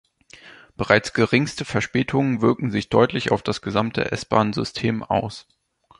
Bereits geringste Verspätungen wirken sich deutlich auf das gesamte S-Bahn-System aus.